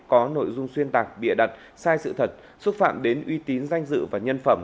có nội dung xuyên tạc bịa đặt sai sự thật xúc phạm đến uy tín danh dự và nhân phẩm